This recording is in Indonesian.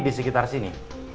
di sekitar sini